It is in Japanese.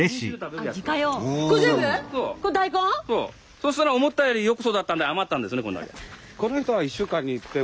そしたら思ったよりよく育ったんで余ったんですねこんだけ。